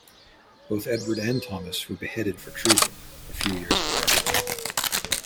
Both Edward and Thomas were beheaded for treason, a few years apart.